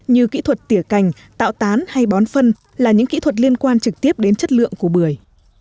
như kỹ thuật tỉa cành tạo tán hay bón phân là những kỹ thuật liên quan trực tiếp đến chất lượng của bưởi